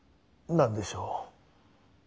何でしょう？